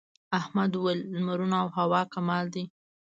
احمد وويل: لمرونه او هوا کمال دي.